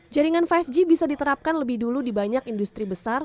jaringan lima g bisa diterapkan lebih dulu di banyak industri besar